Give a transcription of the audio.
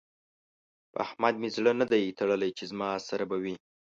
په احمد مې زړه نه دی تړلی چې زما سره به وي.